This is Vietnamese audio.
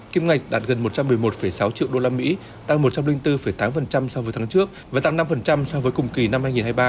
kim ngạch đạt gần một trăm một mươi một sáu triệu usd tăng một trăm linh bốn tám so với tháng trước và tăng năm so với cùng kỳ năm hai nghìn hai mươi ba